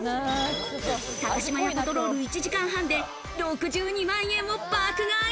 タカシマヤパトロール、１時間半で６２万円を爆買い。